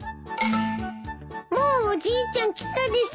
もうおじいちゃん来たです。